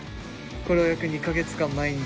これを約２か月間毎日。